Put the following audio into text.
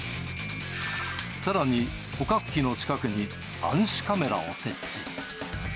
さらに、捕獲器の近くに暗視カメラを設置。